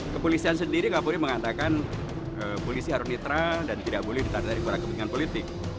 kepolisian sendiri gak boleh mengatakan polisi harus netral dan tidak boleh ditandai tandai kepada kepentingan politik